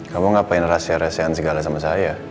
kamu ngapain rahasia rahasiaan segala sama saya